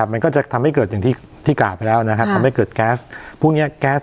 มันก็จะทำให้เกิดอย่างที่กล่าวไปแล้วทำให้เกิดแก๊ส